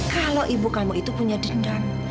kalau ibu kamu itu punya dindang